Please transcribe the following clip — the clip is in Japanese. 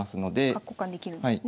角交換できるんですね。